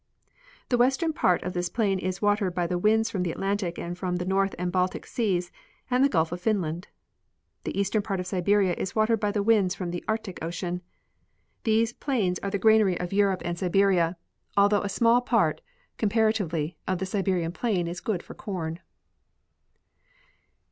The western part of this plain is Avatered by the winds from the Atlantic and from the North and Baltic seas and the Gulf of Finland. The eastern part in Siberia is watered by the winds from the Arctic ocean. These plains are the granary Effects of Mountain Masses. 119 of Europe and Siberia, although a small' part, comparatively, of the Siberian plain is good for corn.